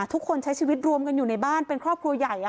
ทุกคนใช้ชีวิตรวมกันอยู่ในบ้านเป็นครอบครัวใหญ่